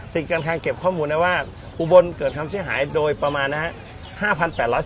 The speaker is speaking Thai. การแทงเก็บข้อมูลนะว่าอุบลเกิดความเสียหายโดยประมาณนะครับ